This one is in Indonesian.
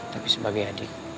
tapi sebagai adik